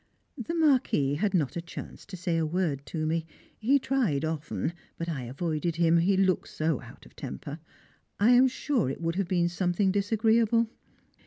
The Marquis had not a chance to say a word to me; he tried often, but I avoided him, he looked so out of temper. I am sure it would have been something disagreeable.